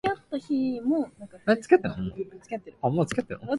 北海道釧路町